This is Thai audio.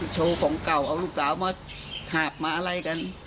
โชว์ของเก่าเอาลูกสาวมาหาบมาอะไรกัน